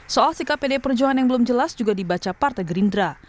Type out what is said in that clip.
soal sikap pdi perjuangan yang belum jelas juga dibaca partai gerindra